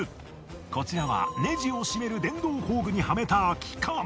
こちらはネジを締める電動工具にはめた空き缶！